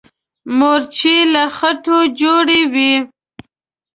مورچې له خټو جوړې وي.